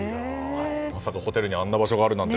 まさか、ホテルにあんな場所があるなんて。